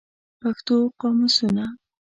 پښتو قاموسونه